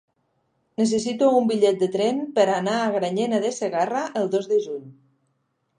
Necessito un bitllet de tren per anar a Granyena de Segarra el dos de juny.